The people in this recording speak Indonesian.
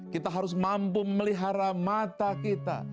kita harus mampu melihara mata kita